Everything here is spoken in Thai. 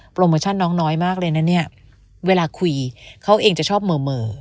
โมชั่นน้องน้อยมากเลยนะเนี่ยเวลาคุยเขาเองจะชอบเมอ